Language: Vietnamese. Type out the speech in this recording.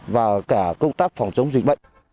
và cả công tác phòng chống dịch bệnh